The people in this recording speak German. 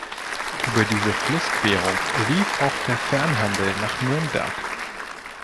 Über diese Flussquerung lief auch der Fernhandel nach Nürnberg.